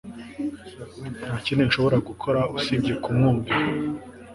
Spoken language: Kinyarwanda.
Nta kindi nshobora gukora usibye kumwumvira